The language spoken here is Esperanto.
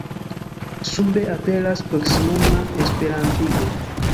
Sube aperas proksimuma Esperantigo.